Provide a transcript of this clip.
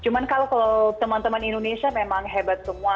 cuma kalau kalau teman teman indonesia memang hebat semua